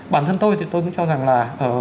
bản thân tôi thì tôi cũng cho rằng là